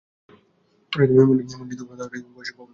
মন্ত্রী, তােমারও তাহা হইলে ভয়ের সম্ভাবনা আছে।